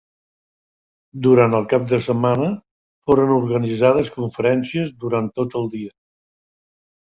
Durant el cap de setmana foren organitzades conferències durant tot el dia.